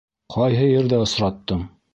Ҡайһы ерҙә осраттың?